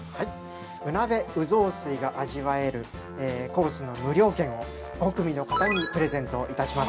◆うなべうぞふすいが味わえるコースの無料券を５組の方にプレゼントいたします。